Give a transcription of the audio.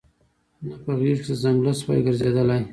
نه په غېږ کي د ځنګله سوای ګرځیدلای